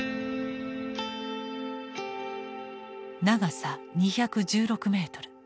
長さ２１６メートル